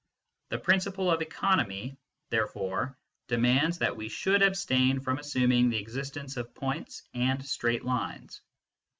The principle of economy, iao MYSTICISM AND LOGIC therefore, demands that we should abstain from assum ing the existence of points and straight lines.